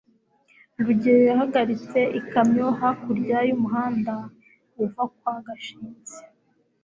rugeyo yahagaritse ikamyo hakurya y'umuhanda uva kwa gashinzi